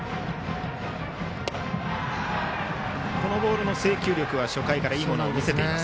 ボールの制球力は初回からいいものを見せています。